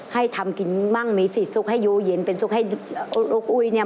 ให้ทำกินบ้างมีสีซุกให้อยู่เย็นเป็นซุกให้ลูกอุ้ยเนี่ย